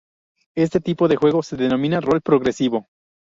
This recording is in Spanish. Este tipo de juego se denomina Rol Progresivo.